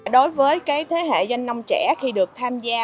đối với thế hệ doanh nông trẻ khi được tham gia